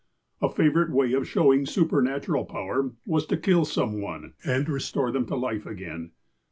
A favourite way of showing supernatural power, was to kill some one, and restore them to life again.